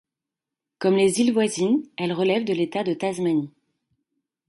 Comme les îles voisines, elle relève de l'État de Tasmanie.